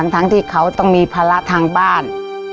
ที่เขาต้องมีภาระทางบ้าน